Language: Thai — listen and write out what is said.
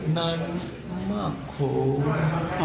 นั่นแหละใจหละ